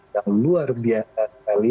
yang luar biasa sekali